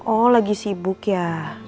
oh lagi sibuk ya